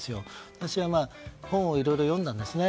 私は本をいろいろ読んだんですね。